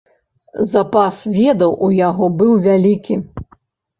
Запас ведаў у яго быў вялікі.